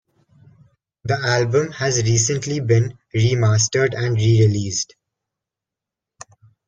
The album has recently been re-mastered and rereleased.